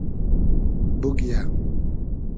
بوگیۂ